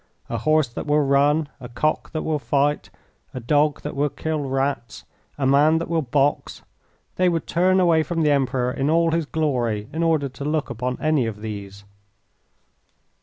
A horse that will run, a cock that will fight, a dog that will kill rats, a man that will box they would turn away from the Emperor in all his glory in order to look upon any of these.